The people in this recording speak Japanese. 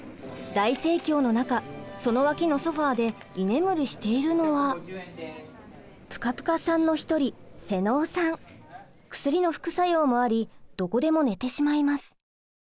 大盛況の中その脇のソファーで居眠りしているのはぷかぷかさんの一人薬の副作用もありどこでも寝てしまいます。